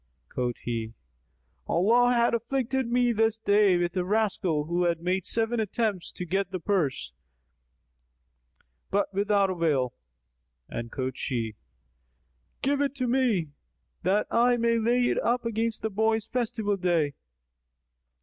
Quoth he, "Allah hath afflicted me this day with a rascal who made seven attempts to get the purse, but without avail;" and quoth she, "Give it to me, that I may lay it up against the boy's festival day."